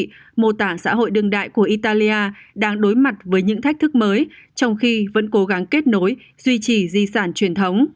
trong khi mô tả xã hội đương đại của italia đang đối mặt với những thách thức mới trong khi vẫn cố gắng kết nối duy trì di sản truyền thống